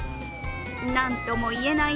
なんとも言えない